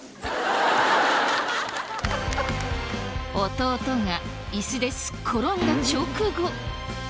弟が椅子ですっ転んだ直後。